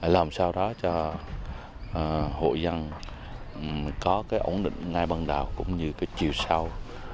làm sao đó cho hộ dân có cái ổn định ngay bằng đào cũng như cái chiều sau